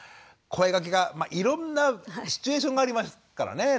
声がけがいろんなシチュエーションがありますからね。